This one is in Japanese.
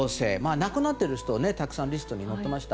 亡くなっている人も、たくさんリストに載っていました。